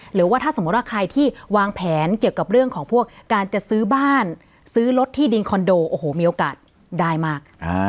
หรือว่าถ้าสมมุติว่าใครที่วางแผนเกี่ยวกับเรื่องของพวกการจะซื้อบ้านซื้อรถที่ดินคอนโดโอ้โหมีโอกาสได้มาก